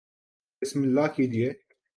بسم اللہ کیجئے